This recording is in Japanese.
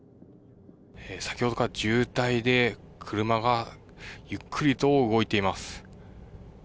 先ほどから渋滞で、車がゆっくりと動いています。